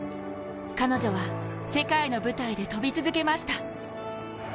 彼女は世界の舞台で跳び続けました。